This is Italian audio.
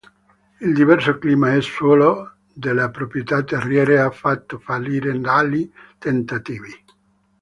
Il diverso clima e suolo delle proprietà terriere ha fatto fallire tali tentativi.